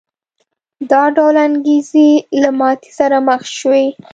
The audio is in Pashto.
دا ډول انګېزې له ماتې سره مخ شوې.